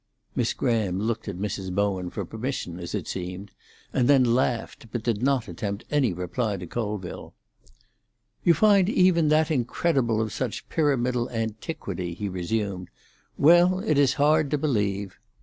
Miss Graham looked at Mrs. Bowen for permission, as it seemed, and then laughed, but did not attempt any reply to Colville. "You find even that incredible of such pyramidal antiquity," he resumed. "Well, it is hard to believe.